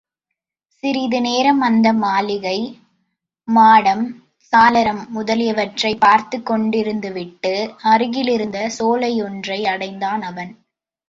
சிறிது நேரம் அந்த மாளிகை, மாடம், சாளரம் முதலியவற்றைப் பார்த்துக் கொண்டிருந்துவிட்டு, அருகிலிருந்த சோலை ஒன்றை அடைந்தான் அவன்.